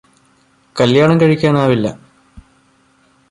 കല്യാണം കഴിക്കാൻ ആവില്ല